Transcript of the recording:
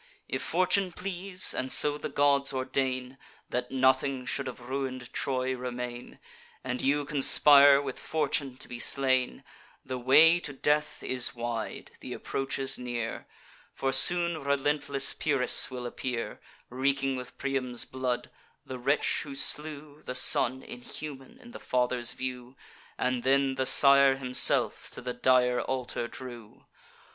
If Fortune please, and so the gods ordain, That nothing should of ruin'd Troy remain, And you conspire with Fortune to be slain, The way to death is wide, th' approaches near: For soon relentless Pyrrhus will appear, Reeking with Priam's blood: the wretch who slew The son (inhuman) in the father's view, And then the sire himself to the dire altar drew.